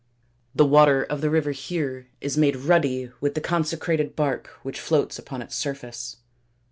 The water of the river is here made ruddy with the consecrated bark which floats upon its surface.